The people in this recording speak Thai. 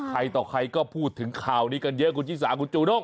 ใครต่อใครก็พูดถึงข่าวนี้กันเยอะคุณชิสาคุณจูด้ง